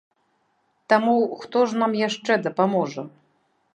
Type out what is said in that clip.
Таму хто ж нам яшчэ дапаможа?